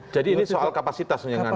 jadi ini soal kapasitas yang anda